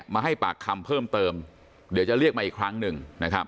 มาให้ปากคำเพิ่มเติมเดี๋ยวจะเรียกมาอีกครั้งหนึ่งนะครับ